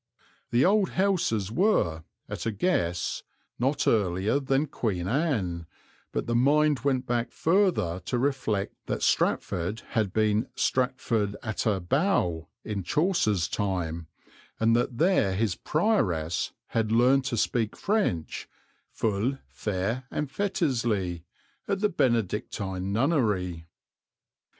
The old houses were, at a guess, not earlier than Queen Anne, but the mind went back further to reflect that Stratford had been Stratford attè Bowe in Chaucer's time, and that there his prioress had learned to speak French "ful faire and fetisly" at the Benedictine Nunnery.